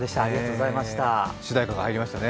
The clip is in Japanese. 主題歌が入りましたね。